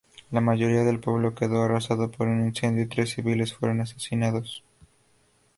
La mayoría del pueblo quedó arrasado por un incendio y tres civiles fueron asesinados.